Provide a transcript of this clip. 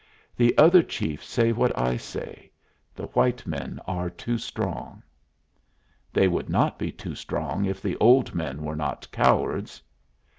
The other chiefs say what I say. The white men are too strong." "They would not be too strong if the old men were not cowards."